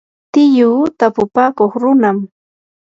tiyuu tapupakuq runam.